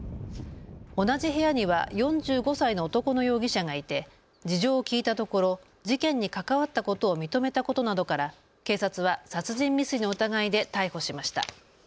同じ部屋には４５歳の男の容疑者がいて事情を聴いたところ事件に関わったことを認めたことなどから警察は殺人未遂の疑いで逮捕しました。